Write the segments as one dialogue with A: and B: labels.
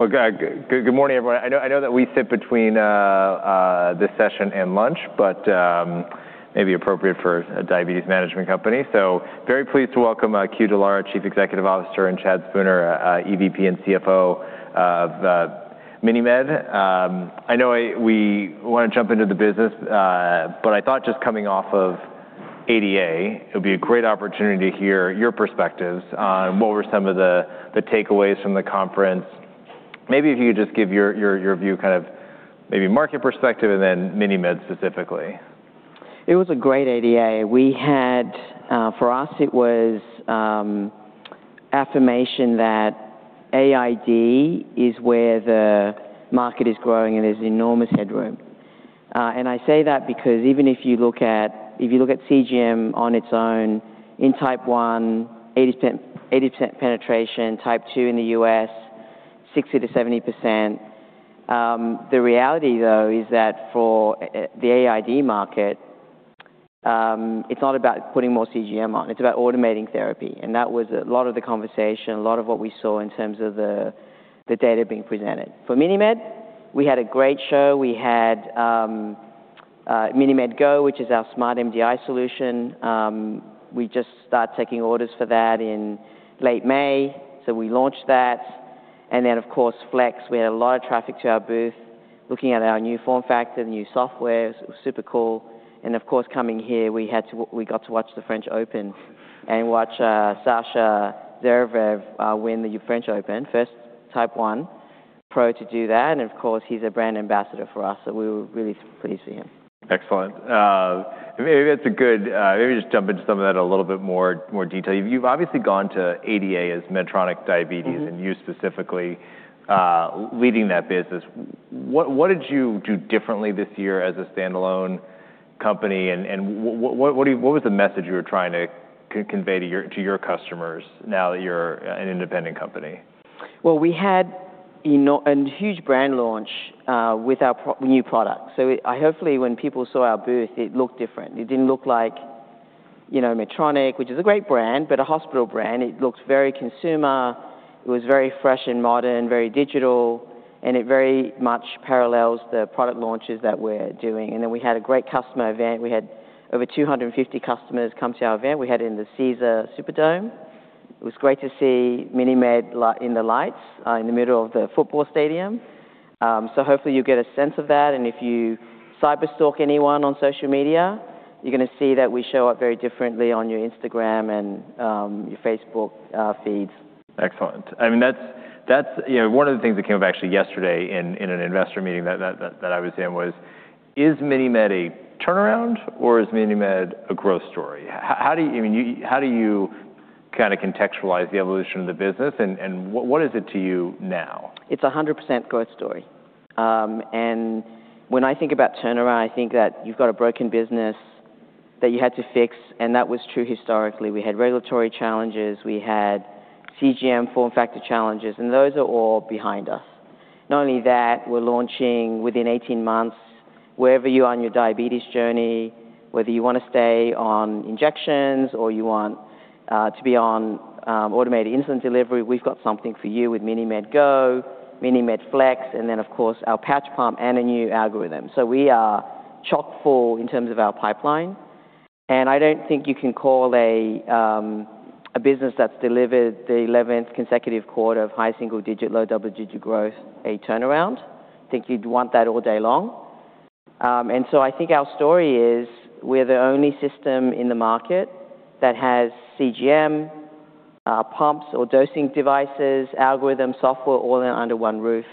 A: Well, good morning, everyone. I know that we sit between this session and lunch, but maybe appropriate for a diabetes management company. Very pleased to welcome Que Dallara, Chief Executive Officer, and Chad Spooner, EVP and CFO of MiniMed. I know we want to jump into the business, but I thought just coming off of ADA, it'll be a great opportunity to hear your perspectives on what were some of the takeaways from the conference. Maybe if you could just give your view, maybe market perspective, and then MiniMed specifically.
B: It was a great ADA. For us, it was affirmation that AID is where the market is growing, and there's enormous headroom. I say that because even if you look at CGM on its own, in Type 1, 80% penetration, Type 2 in the U.S., 60%-70%. The reality, though, is that for the AID market, it's not about putting more CGM on. It's about automating therapy. That was a lot of the conversation, a lot of what we saw in terms of the data being presented. For MiniMed, we had a great show. We had MiniMed Go, which is our smart MDI solution. We just started taking orders for that in late May, so we launched that. Then, of course, Flex, we had a lot of traffic to our booth, looking at our new form factor, the new software. It was super cool. Of course, coming here, we got to watch the French Open and watch Sascha Zverev win the French Open, first Type 1 pro to do that. Of course, he's a brand ambassador for us, so we were really pleased for him.
A: Excellent. Maybe just jump into some of that in a little bit more detail. You've obviously gone to ADA as Medtronic Diabetes- You specifically, leading that business. What did you do differently this year as a standalone company, and what was the message you were trying to convey to your customers now that you're an independent company?
B: Well, we had a huge brand launch with our new product. Hopefully, when people saw our booth, it looked different. It didn't look like Medtronic, which is a great brand, but a hospital brand. It looked very consumer. It was very fresh and modern, very digital, and it very much parallels the product launches that we're doing. We had a great customer event. We had over 250 customers come to our event. We had it in the Caesars Superdome. It was great to see MiniMed in the lights in the middle of the football stadium. Hopefully you get a sense of that, and if you cyberstalk anyone on social media, you're going to see that we show up very differently on your Instagram and your Facebook feeds.
A: Excellent. One of the things that came up actually yesterday in an investor meeting that I was in was, is MiniMed a turnaround, or is MiniMed a growth story? How do you kind of contextualize the evolution of the business and what is it to you now?
B: It's 100% growth story. When I think about turnaround, I think that you've got a broken business that you had to fix, and that was true historically. We had regulatory challenges, we had CGM form factor challenges, and those are all behind us. Not only that, we're launching within 18 months, wherever you are on your diabetes journey, whether you want to stay on injections or you want to be on automated insulin delivery, we've got something for you with MiniMed Go, MiniMed Flex, and then of course our patch pump and a new algorithm. We are chock-full in terms of our pipeline, and I don't think you can call a business that's delivered the 11th consecutive quarter of high single digit, low double digit growth a turnaround. Think you'd want that all day long. I think our story is we're the only system in the market that has CGM, pumps or dosing devices, algorithm software all under one roof,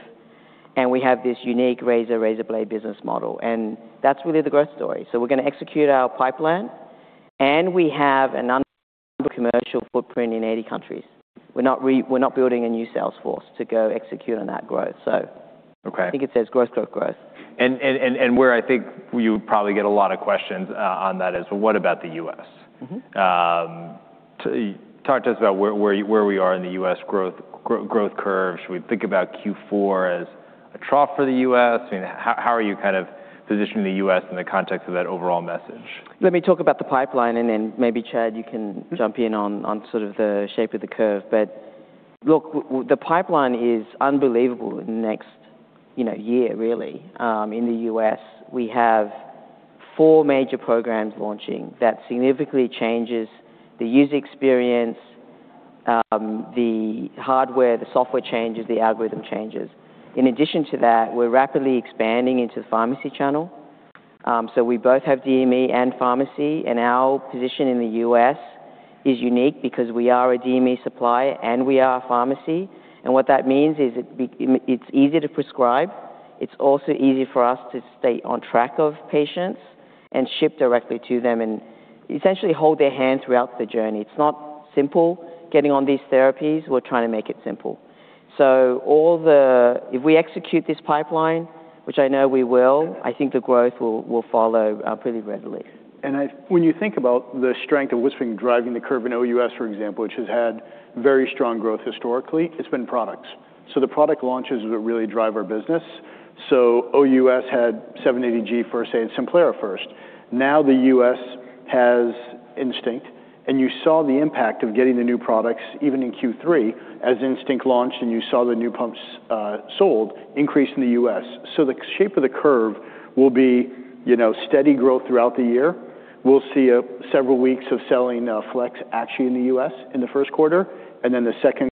B: and we have this unique razor blade business model, and that's really the growth story. We're going to execute our pipeline, and we have a commercial footprint in 80 countries. We're not building a new sales force to go execute on that growth.
A: Okay.
B: I think it says growth.
A: Where I think you probably get a lot of questions on that is, well, what about the U.S.? Talk to us about where we are in the U.S. growth curve. Should we think about Q4 as a trough for the U.S.? How are you kind of positioning the U.S. in the context of that overall message?
B: Let me talk about the pipeline. Then maybe Chad, you can jump in on sort of the shape of the curve. Look, the pipeline is unbelievable in the next year, really. In the U.S., we have four major programs launching that significantly changes the user experience, the hardware, the software changes, the algorithm changes. In addition to that, we're rapidly expanding into the pharmacy channel. We both have DME and pharmacy, and our position in the U.S. is unique because we are a DME supplier and we are a pharmacy. What that means is it's easier to prescribe. It's also easy for us to stay on track of patients and ship directly to them and essentially hold their hand throughout the journey. It's not simple getting on these therapies. We're trying to make it simple. If we execute this pipeline, which I know we will.
A: Yeah.
B: I think the growth will follow up really readily.
C: When you think about the strength of what's been driving the curve in OUS, for example, which has had very strong growth historically, it's been products. The product launches that really drive our business. OUS had 780G first, had Simplera first. Now the U.S. has Instinct, you saw the impact of getting the new products even in Q3 as Instinct launched, you saw the new pumps sold increase in the U.S. The shape of the curve will be steady growth throughout the year. We'll see several weeks of selling Flex actually in the U.S. in the first quarter, the second quarter,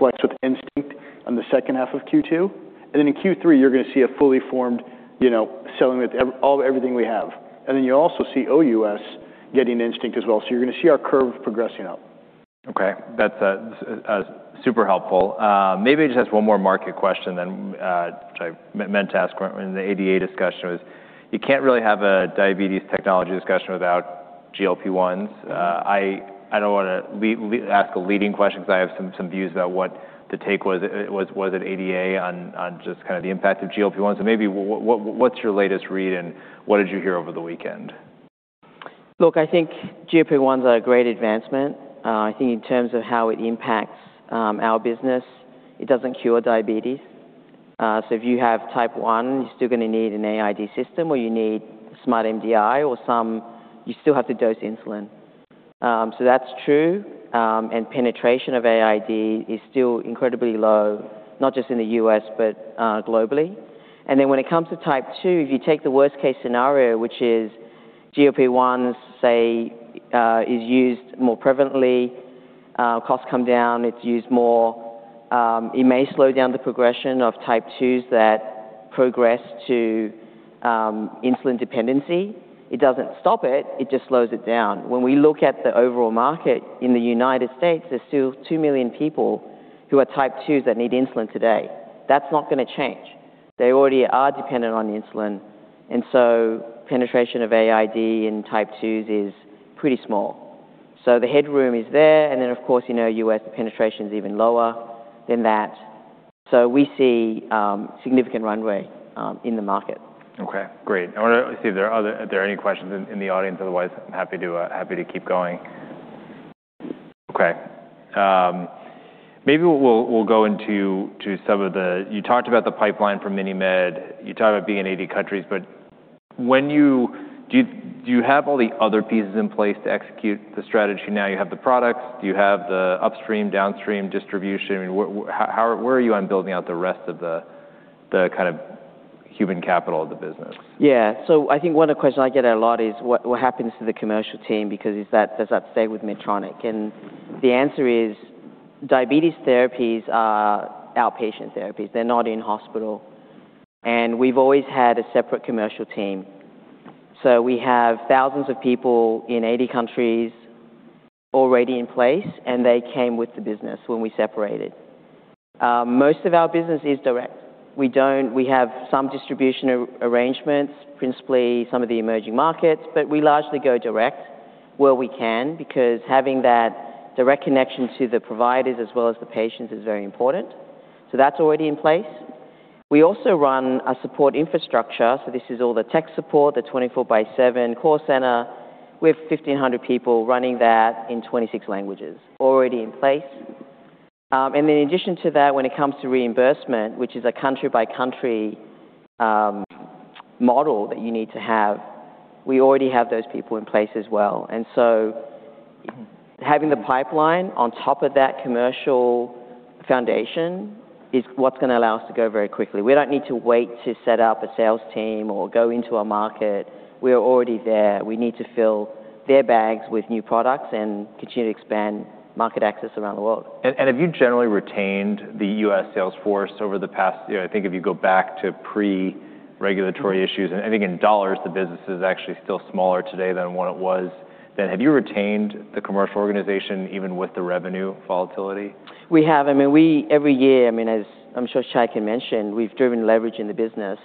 C: Flex with Instinct on the H2 of Q2. In Q3, you're going to see a fully formed selling with everything we have. You also see OUS getting Instinct as well. You're going to see our curve progressing up.
A: Okay. That's super helpful. I just have one more market question, which I meant to ask in the ADA discussion was, you can't really have a diabetes technology discussion without GLP-1s. I don't want to ask a leading question because I have some views about what the take was at ADA on just kind of the impact of GLP-1s. Maybe what's your latest read, and what did you hear over the weekend?
B: Look, I think GLP-1s are a great advancement. I think in terms of how it impacts our business, it doesn't cure diabetes. If you have type 1, you're still going to need an AID system, or you need smart MDI. You still have to dose insulin. That's true. Penetration of AID is still incredibly low, not just in the U.S., but globally. When it comes to type 2, if you take the worst case scenario, which is GLP-1s, say, is used more prevalently, costs come down, it's used more. It may slow down the progression of type 2s that progress to insulin dependency. It doesn't stop it. It just slows it down. When we look at the overall market in the United States, there's still 2 million people who are type 2s that need insulin today. That's not going to change. They already are dependent on insulin, penetration of AID in type 2s is pretty small. The headroom is there, of course, U.S. penetration is even lower than that. We see significant runway in the market.
A: Okay, great. I want to see if there are any questions in the audience. Otherwise, I'm happy to keep going. Okay. You talked about the pipeline for MiniMed. You talked about being in 80 countries. Do you have all the other pieces in place to execute the strategy now? You have the products. Do you have the upstream, downstream distribution? Where are you on building out the rest of the kind of human capital of the business?
B: Yeah. I think one of the questions I get a lot is what happens to the commercial team because does that stay with Medtronic? The answer is diabetes therapies are outpatient therapies. They're not in-hospital. We've always had a separate commercial team. We have thousands of people in 80 countries already in place, and they came with the business when we separated. Most of our business is direct. We have some distribution arrangements, principally some of the emerging markets, but we largely go direct where we can because having that direct connection to the providers as well as the patients is very important. That's already in place. We also run a support infrastructure. This is all the tech support, the 24 by seven call center. We have 1,500 people running that in 26 languages already in place. In addition to that, when it comes to reimbursement, which is a country-by-country model that you need to have, we already have those people in place as well. Having the pipeline on top of that commercial foundation is what's going to allow us to go very quickly. We don't need to wait to set up a sales team or go into a market. We are already there. We need to fill their bags with new products and continue to expand market access around the world.
A: Have you generally retained the U.S. sales force over the past-- I think if you go back to pre-regulatory issues, and I think in dollars, the business is actually still smaller today than what it was then. Have you retained the commercial organization even with the revenue volatility?
B: We have. Every year, as I'm sure Chad can mention, we've driven leverage in the business.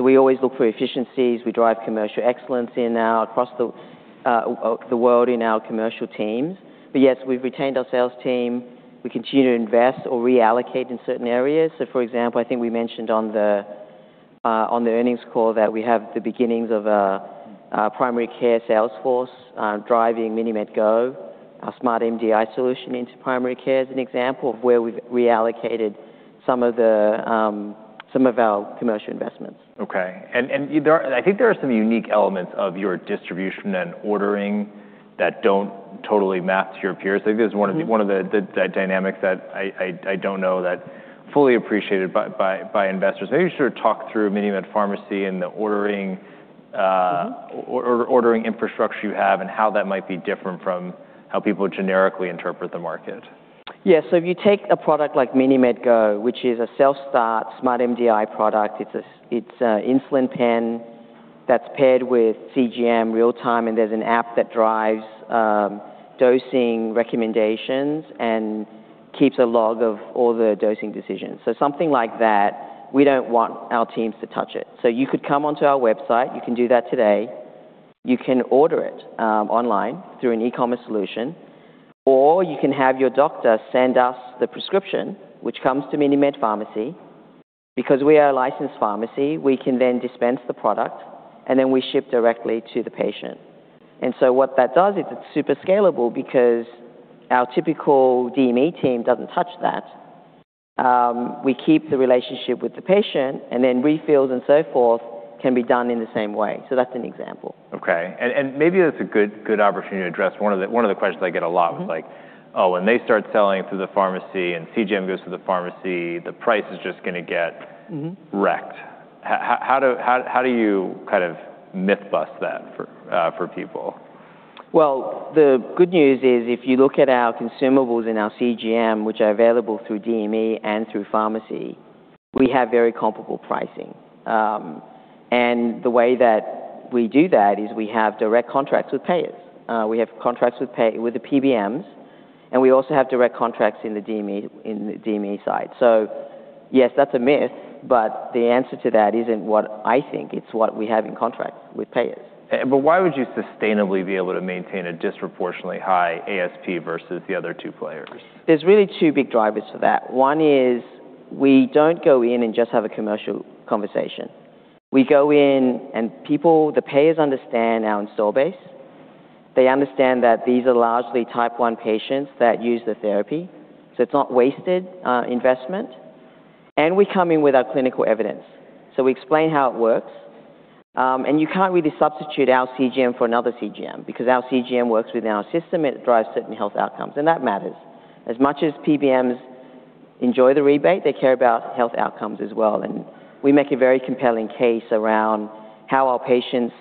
B: We always look for efficiencies. We drive commercial excellence across the world in our commercial teams. Yes, we've retained our sales team. We continue to invest or reallocate in certain areas. For example, I think we mentioned on the earnings call that we have the beginnings of a primary care sales force driving MiniMed Go, our smart MDI solution into primary care is an example of where we've reallocated some of our commercial investments.
A: Okay. I think there are some unique elements of your distribution and ordering that don't totally map to your peers. I think this is one of the dynamics that I don't know that fully appreciated by investors. Maybe you sort of talk through MiniMed Pharmacy and the ordering infrastructure you have and how that might be different from how people generically interpret the market.
B: Yeah. If you take a product like MiniMed Go, which is a self-start smart MDI product. It's an insulin pen that's paired with CGM real-time, and there's an app that drives dosing recommendations and keeps a log of all the dosing decisions. Something like that, we don't want our teams to touch it. You could come onto our website. You can do that today. You can order it online through an e-commerce solution, or you can have your doctor send us the prescription, which comes to MiniMed Pharmacy. Because we are a licensed pharmacy, we can then dispense the product, and then we ship directly to the patient. What that does is it's super scalable because our typical DME team doesn't touch that. We keep the relationship with the patient, and then refills and so forth can be done in the same way. That's an example.
A: Okay. Maybe that's a good opportunity to address one of the questions I get a lot. Was like, "Oh, when they start selling through the pharmacy and CGM goes through the pharmacy, the price is just going to get wrecked. How do you myth bust that for people?
B: Well, the good news is if you look at our consumables and our CGM, which are available through DME and through pharmacy, we have very comparable pricing. The way that we do that is we have direct contracts with payers. We have contracts with the PBMs, we also have direct contracts in the DME side. Yes, that's a myth, but the answer to that isn't what I think. It's what we have in contract with payers.
A: Why would you sustainably be able to maintain a disproportionately high ASP versus the other two players?
B: There's really two big drivers to that. One is we don't go in and just have a commercial conversation. We go in, and the payers understand our install base. They understand that these are largely Type 1 patients that use the therapy, so it's not wasted investment. We come in with our clinical evidence. We explain how it works. You can't really substitute our CGM for another CGM because our CGM works within our system, and it drives certain health outcomes, and that matters. As much as PBMs enjoy the rebate, they care about health outcomes as well, and we make a very compelling case around how our patients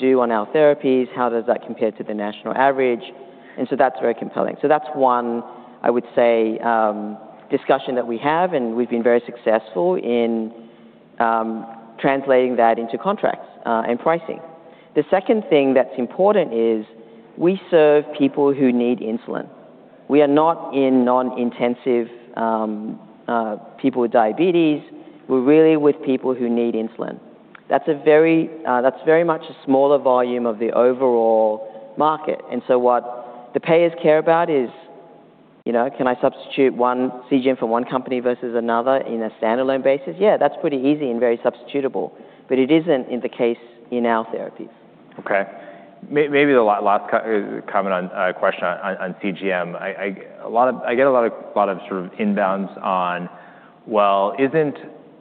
B: do on our therapies, how does that compare to the national average, that's very compelling. That's one, I would say, discussion that we have, and we've been very successful in translating that into contracts and pricing. The second thing that's important is we serve people who need insulin. We are not in non-intensive people with diabetes. We're really with people who need insulin. That's very much a smaller volume of the overall market. What the payers care about is, can I substitute one CGM for one company versus another in a standalone basis? Yeah, that's pretty easy and very substitutable, it isn't in the case in our therapies.
A: Okay. Maybe the last question on CGM. I get a lot of inbounds on, well, isn't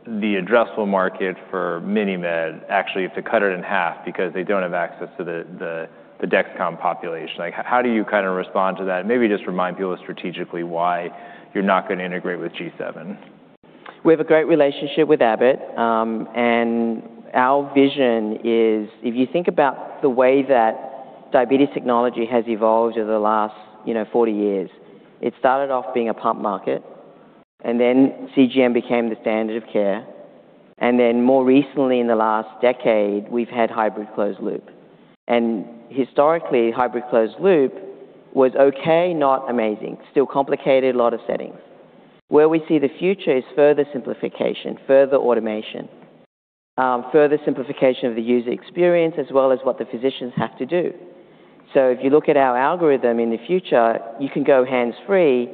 A: the addressable market for MiniMed actually, if they cut it in 1/2 because they don't have access to the Dexcom population? How do you respond to that? Maybe just remind people strategically why you're not going to integrate with G7.
B: We have a great relationship with Abbott. Our vision is if you think about the way that diabetes technology has evolved over the last 40 years, it started off being a pump market, CGM became the standard of care. More recently in the last decade, we've had hybrid closed loop. Historically, hybrid closed loop was okay, not amazing. Still complicated, a lot of settings. Where we see the future is further simplification, further automation. Further simplification of the user experience as well as what the physicians have to do. If you look at our algorithm in the future, you can go hands-free.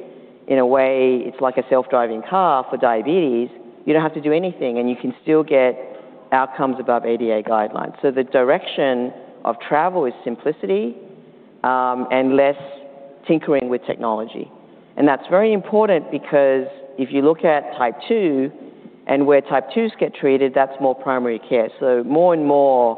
B: In a way, it's like a self-driving car for diabetes. You don't have to do anything, and you can still get outcomes above ADA guidelines. The direction of travel is simplicity, and less tinkering with technology. That's very important because if you look at type 2 and where type 2s get treated, that's more primary care. More and more,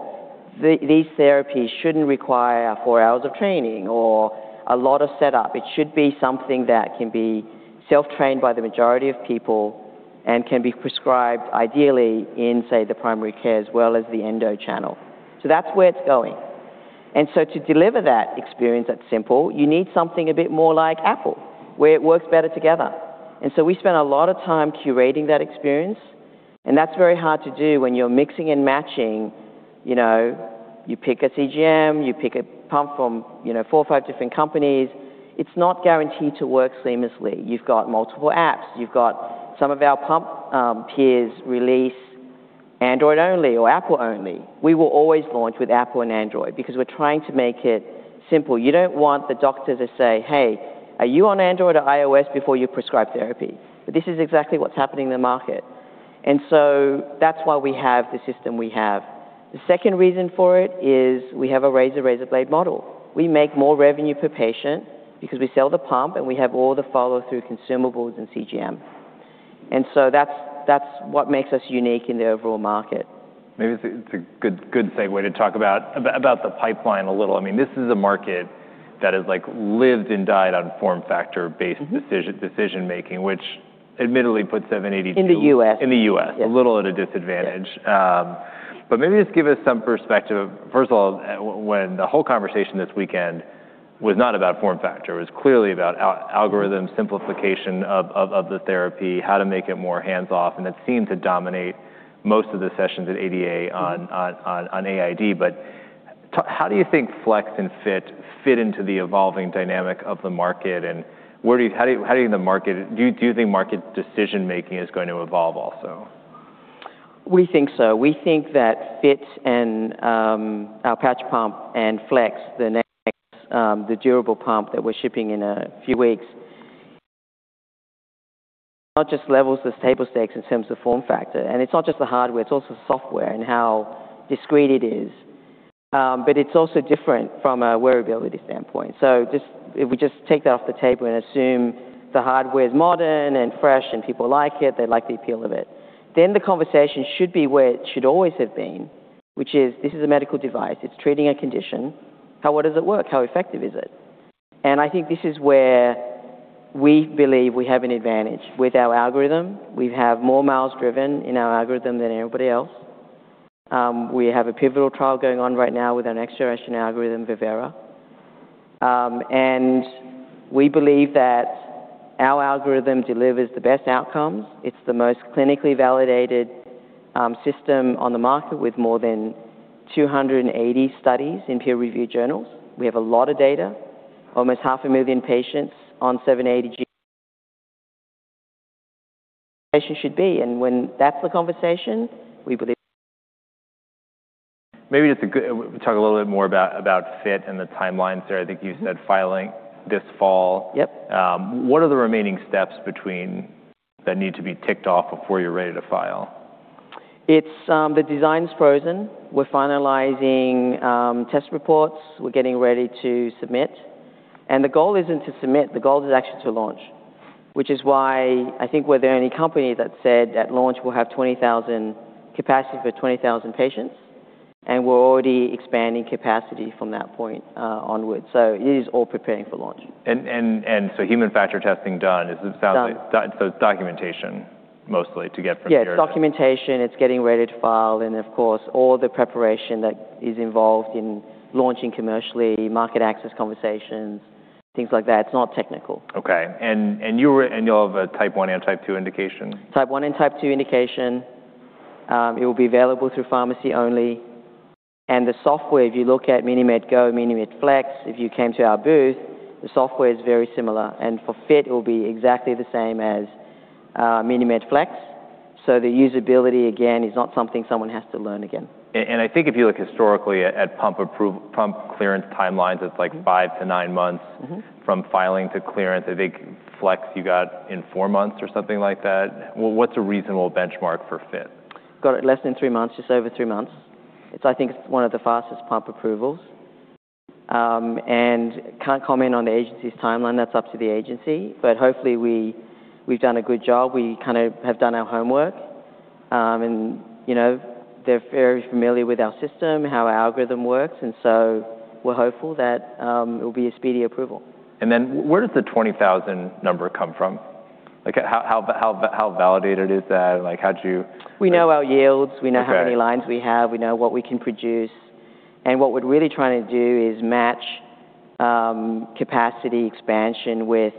B: these therapies shouldn't require four hours of training or a lot of setup. It should be something that can be self-trained by the majority of people and can be prescribed ideally in, say, the primary care as well as the endo channel. That's where it's going. To deliver that experience that's simple, you need something a bit more like Apple, where it works better together. We spend a lot of time curating that experience, and that's very hard to do when you're mixing and matching. You pick a CGM, you pick a pump from four or five different companies. It's not guaranteed to work seamlessly. You've got multiple apps. You've got some of our pump peers release Android only or Apple only. We will always launch with Apple and Android because we're trying to make it simple. You don't want the doctor to say, "Hey, are you on Android or iOS?" before you prescribe therapy. This is exactly what's happening in the market. That's why we have the system we have. The second reason for it is we have a razor blade model. We make more revenue per patient because we sell the pump, and we have all the follow-through consumables and CGM. That's what makes us unique in the overall market.
A: Maybe it's a good segue to talk about the pipeline a little. This is a market that has lived and died on form factor-based decision-making, which admittedly puts 780G.
B: In the U.S.
A: In the U.S. a little at a disadvantage.
B: Yes.
A: Maybe just give us some perspective. First of all, when the whole conversation this weekend was not about form factor. It was clearly about algorithm simplification of the therapy, how to make it more hands-off, and it seemed to dominate most of the sessions at ADA on AID. How do you think Flex and Fit fit into the evolving dynamic of the market, and do you think market decision making is going to evolve also?
B: We think so. We think that Fit and our patch pump and Flex, the next, the durable pump that we're shipping in a few weeks, not just levels the table stakes in terms of form factor, and it's not just the hardware, it's also software and how discreet it is. It's also different from a wearability standpoint. If we just take that off the table and assume the hardware's modern and fresh and people like it, they like the appeal of it, then the conversation should be where it should always have been, which is, this is a medical device. It's treating a condition. How well does it work? How effective is it? I think this is where we believe we have an advantage. With our algorithm, we have more miles driven in our algorithm than anybody else. We have a pivotal trial going on right now with our next-generation algorithm, Vivera. We believe that our algorithm delivers the best outcomes. It's the most clinically validated system on the market, with more than 280 studies in peer-reviewed journals. We have a lot of data, almost half a million patients on 780G. The conversation should be, and when that's the conversation, we believe.
A: Maybe just to talk a little bit more about Fit and the timelines there. I think you said filing this fall.
B: Yep.
A: What are the remaining steps between that need to be ticked off before you're ready to file?
B: The design's frozen. We're finalizing test reports. We're getting ready to submit. The goal isn't to submit, the goal is actually to launch, which is why I think we're the only company that said at launch, we'll have capacity for 20,000 patients, and we're already expanding capacity from that point onwards. It is all preparing for launch.
A: Human factor testing done.
B: Done.
A: It's documentation mostly to get from here.
B: Yeah, it's documentation. It's getting ready to file and of course, all the preparation that is involved in launching commercially, market access conversations, things like that. It's not technical.
A: Okay. You'll have a type 1 and type 2 indication.
B: Type 1 and type 2 indication. It will be available through pharmacy only. The software, if you look at MiniMed Go, MiniMed Flex, if you came to our booth, the software is very similar. For Fit, it will be exactly the same as MiniMed Flex. The usability, again, is not something someone has to learn again.
A: I think if you look historically at pump clearance timelines, it's five to nine months, from filing to clearance. I think Flex you got in four months or something like that. What's a reasonable benchmark for Fit?
B: Got it less than three months, just over two months. It's, I think, one of the fastest pump approvals. Can't comment on the agency's timeline. That's up to the agency. Hopefully, we've done a good job. We have done our homework. They're very familiar with our system, how our algorithm works, we're hopeful that it will be a speedy approval.
A: Where does the 20,000 number come from? How validated is that? How'd you-
B: We know our yields.
A: Okay.
B: We know how many lines we have. We know what we can produce. What we're really trying to do is match capacity expansion with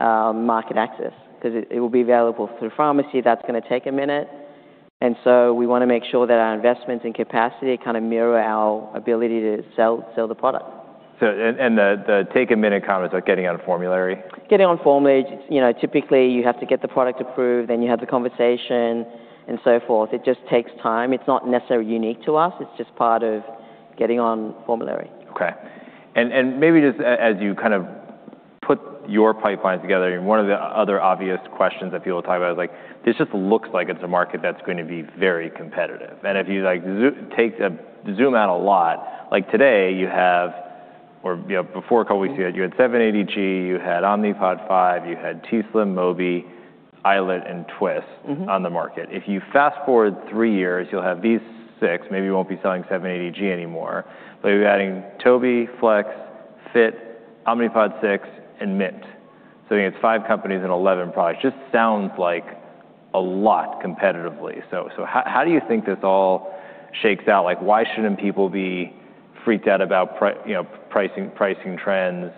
B: market access, because it will be available through pharmacy. That's going to take a minute. We want to make sure that our investments in capacity kind of mirror our ability to sell the product.
A: The take a minute comment about getting on a formulary?
B: Getting on formulary, typically, you have to get the product approved, then you have the conversation, and so forth. It just takes time. It's not necessarily unique to us. It's just part of getting on formulary.
A: Okay. Maybe just as you put your pipeline together, one of the other obvious questions that people talk about is, this just looks like it's a market that's going to be very competitive. If you zoom out a lot, today you have, or before COVID, you had 780G, you had Omnipod 5, you had Tandem Mobi, iLet and Twiist on the market. If you fast-forward three years, you'll have these six. Maybe you won't be selling 780G anymore. You're adding Mobi, Flex, Fit, Omnipod 6, and Mint. I think it's five companies and 11 products. Just sounds like a lot competitively. How do you think this all shakes out? Why shouldn't people be freaked out about pricing trends?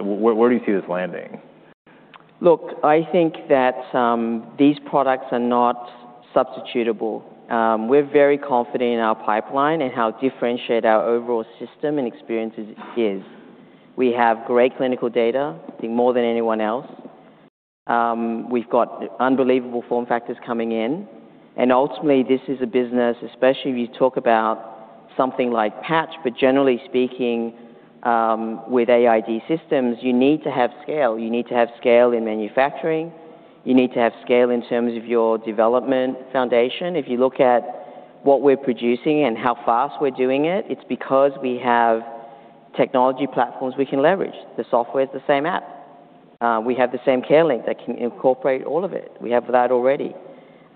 A: Where do you see this landing?
B: I think that these products are not substitutable. We're very confident in our pipeline and how differentiated our overall system and experiences is. We have great clinical data, I think more than anyone else. We've got unbelievable form factors coming in, ultimately, this is a business, especially if you talk about something like patch, generally speaking, with AID systems, you need to have scale. You need to have scale in manufacturing. You need to have scale in terms of your development foundation. If you look at what we're producing and how fast we're doing it's because we have technology platforms we can leverage. The software's the same app. We have the same CareLink that can incorporate all of it. We have that already.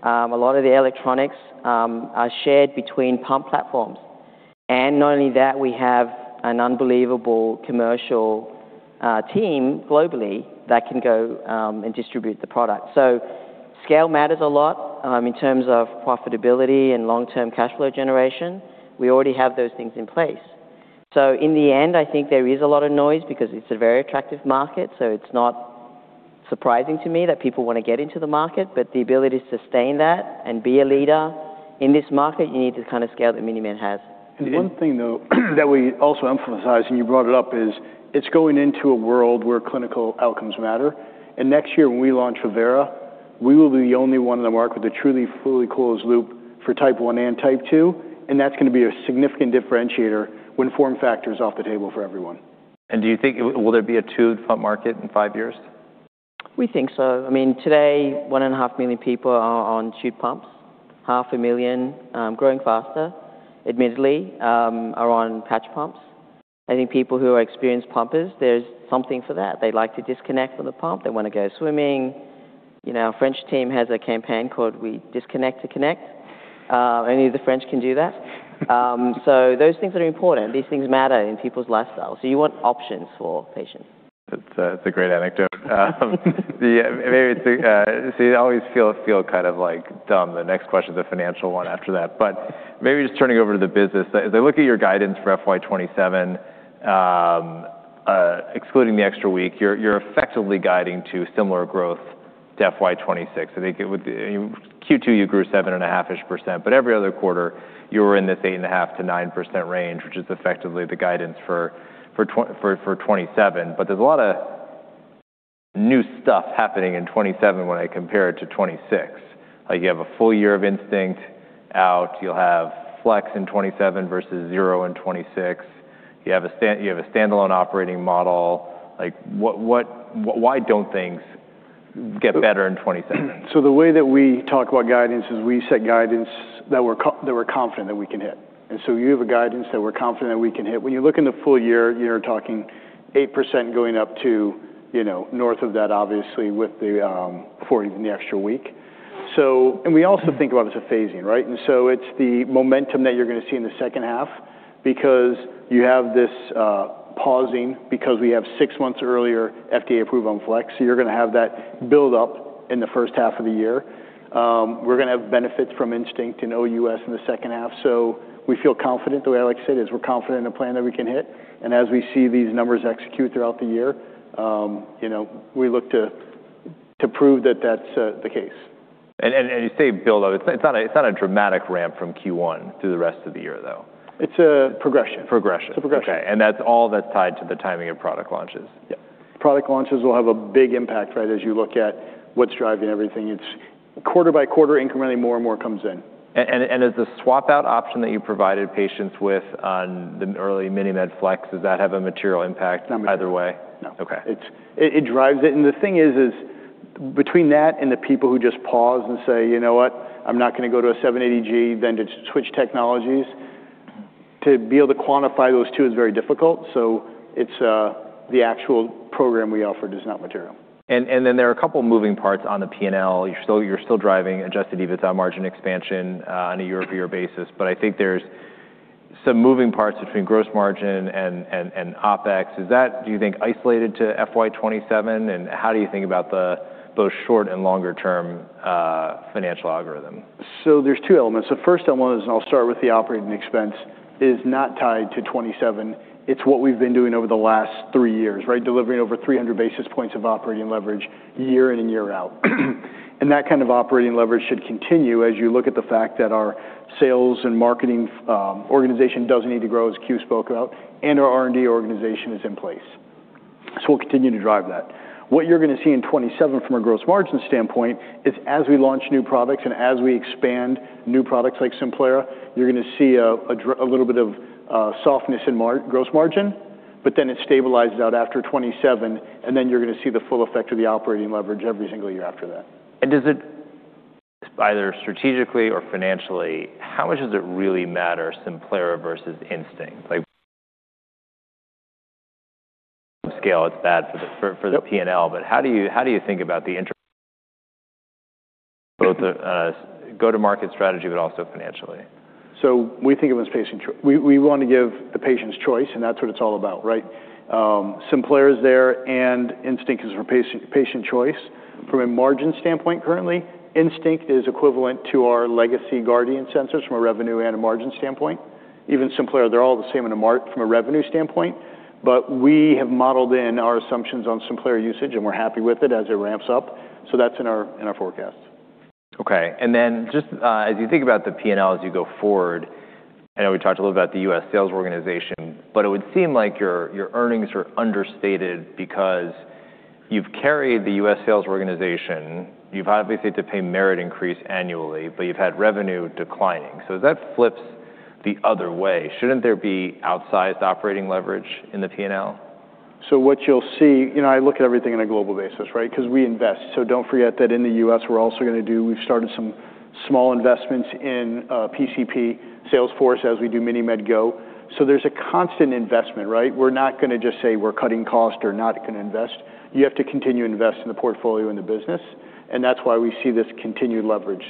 B: A lot of the electronics are shared between pump platforms. Not only that, we have an unbelievable commercial team globally that can go and distribute the product. Scale matters a lot in terms of profitability and long-term cash flow generation. We already have those things in place. In the end, I think there is a lot of noise because it's a very attractive market, it's not surprising to me that people want to get into the market. The ability to sustain that and be a leader in this market, you need the kind of scale that MiniMed has.
C: One thing, though, that we also emphasize, and you brought it up, is it's going into a world where clinical outcomes matter. Next year, when we launch Vivera, we will be the only one in the market with a truly fully closed loop for type 1 and type 2, and that's going to be a significant differentiator when form factor's off the table for everyone.
A: Do you think, will there be a tube pump market in five years?
B: We think so. Today, one and a half million people are on tube pumps, half a million, growing faster admittedly, are on patch pumps. I think people who are experienced pumpers, there's something for that. They like to disconnect from the pump. They want to go swimming. Our French team has a campaign called We Disconnect to Connect. Only the French can do that. Those things are important. These things matter in people's lifestyles. You want options for patients.
A: That's a great anecdote. See, I always feel kind of dumb. The next question's a financial one after that. Maybe just turning over to the business, as I look at your guidance for FY 2027, excluding the extra week, you're effectively guiding to similar growth to FY 2026. Q2, you grew 7.5%-ish, but every other quarter, you were in this 8.5%-9% range, which is effectively the guidance for 2027. There's a lot of new stuff happening in 2027 when I compare it to 2026. You have a full year of Instinct out. You'll have Flex in 2027 versus 0 in 2026. You have a standalone operating model. Why don't things get better in 2027?
C: The way that we talk about guidance is we set guidance that we're confident that we can hit. You have a guidance that we're confident that we can hit. When you look in the full year, you're talking 8% going up to north of that, obviously, with the extra week. We also think about it as a phasing. It's the momentum that you're going to see in the second half because you have this pausing because we have six months earlier FDA approved on MiniMed Flex. You're going to have that build up in the H1 of the year. We're going to have benefits from Instinct in OUS in the H2. We feel confident. The way Alex said it is we're confident in a plan that we can hit. As we see these numbers execute throughout the year, we look to prove that that's the case.
A: You say build up. It's not a dramatic ramp from Q1 through the rest of the year, though.
C: It's a progression.
A: Progression.
C: It's a progression.
A: Okay. That's all that's tied to the timing of product launches?
C: Yeah. Product launches will have a big impact, as you look at what's driving everything. It's quarter by quarter incrementally, more and more comes in.
A: Does the swap-out option that you provided patients with on the early MiniMed Flex, does that have a material impact either way?
C: No.
A: Okay.
C: It drives it. The thing is, between that and the people who just pause and say, "You know what? I'm not going to go to a 780G," than to switch technologies, to be able to quantify those two is very difficult. The actual program we offered is not material.
A: There are a couple moving parts on the P&L. You're still driving adjusted EBITDA margin expansion on a year-over-year basis, but I think there's some moving parts between gross margin and OpEx. Is that, do you think, isolated to FY 2027? How do you think about both short and longer term financial algorithm?
C: There's two elements. The first element is, and I'll start with the operating expense, is not tied to 2027. It's what we've been doing over the last three years. Delivering over 300 basis points of operating leverage year in and year out. That kind of operating leverage should continue as you look at the fact that our sales and marketing organization doesn't need to grow as Q spoke about, our R&D organization is in place. We'll continue to drive that. What you're going to see in 2027 from a gross margin standpoint is as we launch new products and as we expand new products like Simplera, you're going to see a little bit of softness in gross margin, but then it stabilizes out after 2027, you're going to see the full effect of the operating leverage every single year after that.
A: Either strategically or financially, how much does it really matter, Simplera versus Instinct? At scale, it's bad for the P&L.
C: Yep.
A: How do you think about the interest, both the go-to-market strategy, also financially?
C: We think of it as patient choice. We want to give the patients choice, and that's what it's all about. Simplera's there and Instinct is for patient choice. From a margin standpoint currently, Instinct is equivalent to our legacy Guardian sensors from a revenue and a margin standpoint. Even Simplera, they're all the same from a revenue standpoint. We have modeled in our assumptions on Simplera usage, and we're happy with it as it ramps up. That's in our forecasts.
A: Okay. Then just as you think about the P&L as you go forward, I know we talked a little about the U.S. sales organization, it would seem like your earnings are understated because you've carried the U.S. sales organization. You've obviously had to pay merit increase annually, you've had revenue declining. As that flips the other way, shouldn't there be outsized operating leverage in the P&L?
C: What you'll see, I look at everything on a global basis. Because we invest. Don't forget that in the U.S., we're also going to do, we've started some small investments in PCP sales force as we do MiniMed Go. There's a constant investment. We're not going to just say we're cutting cost or not going to invest. You have to continue to invest in the portfolio and the business, and that's why we see this continued leverage.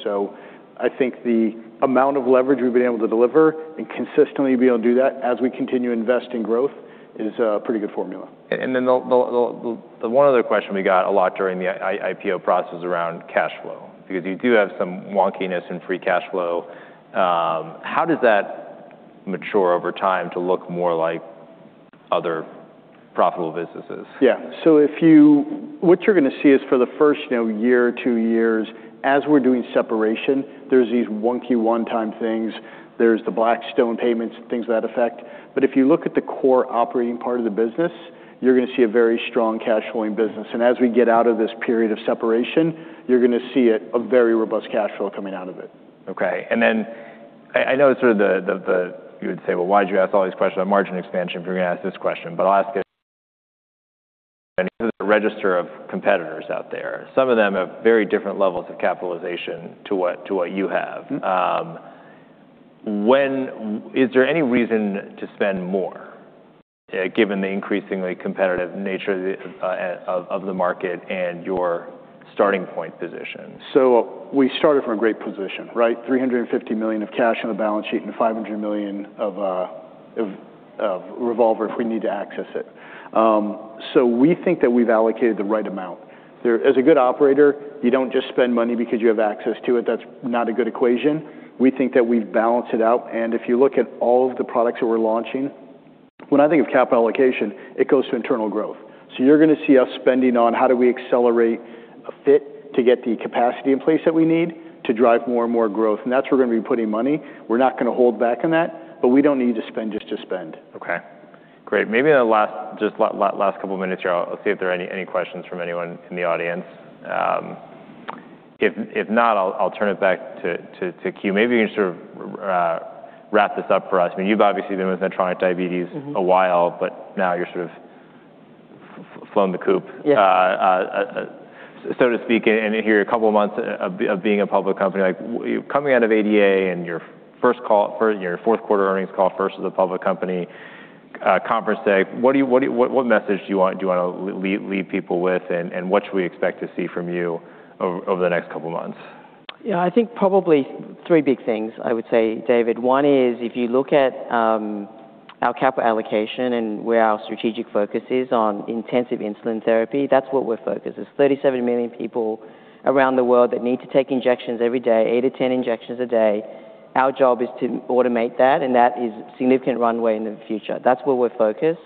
C: I think the amount of leverage we've been able to deliver and consistently be able to do that as we continue to invest in growth is a pretty good formula.
A: The one other question we got a lot during the IPO process around cash flow, because you do have some wonkiness in free cash flow. How does that mature over time to look more like other profitable businesses?
B: What you're going to see is for the first year or two years, as we're doing separation, there's these one-time things. There's the Blackstone payments, things to that effect. If you look at the core operating part of the business, you're going to see a very strong cash flowing business. As we get out of this period of separation, you're going to see a very robust cash flow coming out of it.
A: I know you would say, "Why'd you ask all these questions on margin expansion if you're going to ask this question?" I'll ask it. There's a register of competitors out there. Some of them have very different levels of capitalization to what you have. Is there any reason to spend more given the increasingly competitive nature of the market and your starting point position?
B: We started from a great position, right? $350 million of cash on the balance sheet and $500 million of a revolver if we need to access it. We think that we've allocated the right amount. As a good operator, you don't just spend money because you have access to it. That's not a good equation. We think that we've balanced it out, and if you look at all of the products that we're launching, when I think of capital allocation, it goes to internal growth. You're going to see us spending on how do we accelerate MiniMed Fit to get the capacity in place that we need to drive more and more growth. That's where we're going to be putting money. We're not going to hold back on that, but we don't need to spend just to spend.
A: Okay, great. Maybe just last couple minutes here, I'll see if there are any questions from anyone in the audience. If not, I'll turn it back to Que. Maybe you can sort of wrap this up for us. You've obviously been with Medtronic Diabetes a while, but now you've sort of flown the coop-
B: Yeah.
A: So to speak, a couple of months of being a public company. Coming out of ADA, and your fourth quarter earnings call first as a public company conference day, what message do you want to leave people with, and what should we expect to see from you over the next couple of months?
B: I think probably three big things I would say, David. One is if you look at our capital allocation and where our strategic focus is on intensive insulin therapy, that's what we're focused. There are 37 million people around the world that need to take injections every day, eight to 10 injections a day. Our job is to automate that. That is significant runway into the future. That's where we're focused.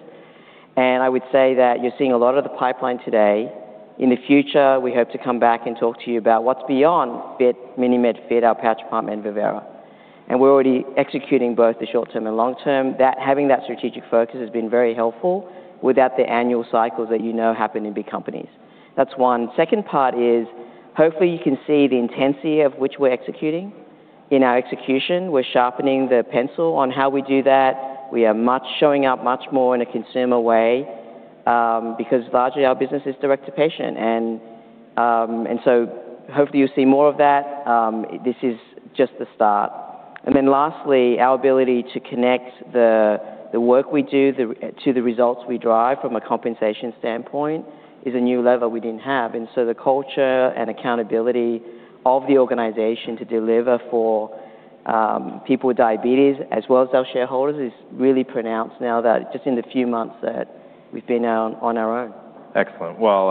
B: I would say that you're seeing a lot of the pipeline today. In the future, we hope to come back and talk to you about what's beyond MiniMed Fit, our patch pump, and Vivera. We're already executing both the short-term and long-term. Having that strategic focus has been very helpful without the annual cycles that you know happen in big companies. That's one. Second part is, hopefully, you can see the intensity of which we're executing. In our execution, we're sharpening the pencil on how we do that. We are showing up much more in a consumer way, because largely, our business is direct to patient. Hopefully you'll see more of that. This is just the start. Lastly, our ability to connect the work we do to the results we drive from a compensation standpoint is a new level we didn't have. The culture and accountability of the organization to deliver for people with diabetes as well as our shareholders is really pronounced now that just in the few months that we've been out on our own.
A: Excellent. Well,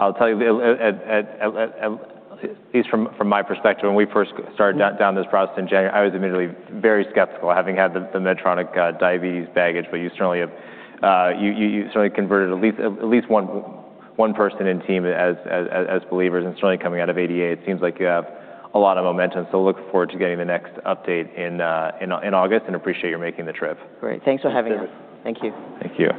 A: I'll tell you at least from my perspective, when we first started down this process in January, I was admittedly very skeptical, having had the Medtronic Diabetes baggage. You certainly converted at least one person in team as believers. Certainly coming out of ADA, it seems like you have a lot of momentum. Look forward to getting the next update in August and appreciate your making the trip.
B: Great. Thanks for having us.
A: Sure.
B: Thank you.
A: Thank you.